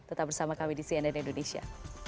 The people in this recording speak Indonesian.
tetap bersama kami di cnn indonesia